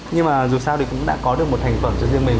nhưng mà dù sao thì cũng đã có được một thành phẩm cho riêng mình